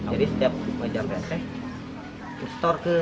jadi setiap pecah pecah di store ke